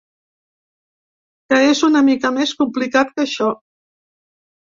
Que és una mica més complicat que això.